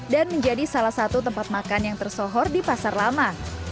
dan menjadi salah satu tempat makan yang tersohor di pasar lama